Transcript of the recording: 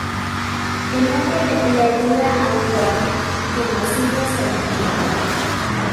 El hombre le pide ayuda a un guardia, quien lo sigue hasta la tienda.